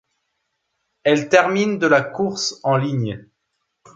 Elle termine de la course en ligne.